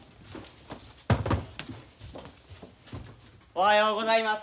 おはようございます。